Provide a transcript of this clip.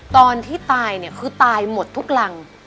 ตอนที่ตายเนี่ยคือตายหมดทุกรัง